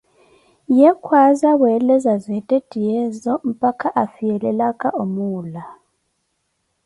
Ye kwaaza weeleza zeettehyeezo mpakha afiyelelaka omuula